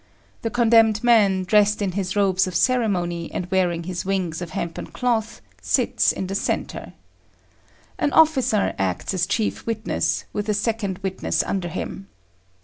The condemned man, dressed in his robes of ceremony and wearing his wings of hempen cloth, sits in the centre. An officer acts as chief witness, with a second witness under him.